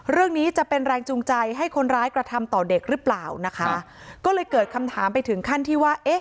เรื่องนี้จะเป็นแรงจูงใจให้คนร้ายกระทำต่อเด็กหรือเปล่านะคะก็เลยเกิดคำถามไปถึงขั้นที่ว่าเอ๊ะ